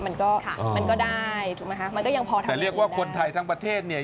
มันก็ค่ะมันก็ได้ถูกมั้ยฮะมันก็ยังพอทั้งหมดอีกได้แต่เรียกว่าคนไทยทั้งประเทศเนี้ย